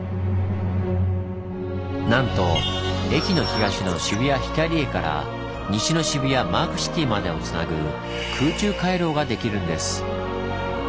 なんと駅の東の渋谷ヒカリエから西の渋谷マークシティまでをつなぐ空中回廊ができるんです。